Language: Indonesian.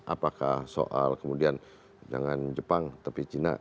apakah soal kemudian jangan jepang tapi cina